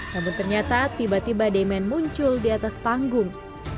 namun ternyata tiba tiba demand muncul di atas panggung